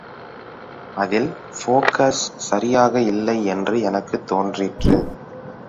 அதில் போகஸ் சரியாக இல்லை என்று எனக்குத் தோன்றிற்று.